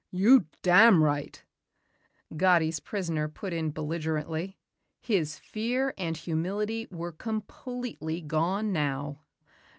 "You dam' right," Gatti's prisoner put in belligerently. His fear and humility were completely gone now.